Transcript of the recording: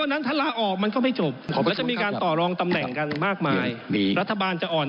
บ้างต้องเป็นการเธอการเตรียมจุดชอบ